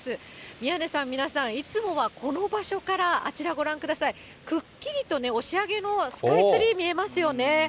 宮根さん、皆さん、いつもはこの場所から、あちらご覧ください、くっきりとね、押上のスカイツリー見えますよね。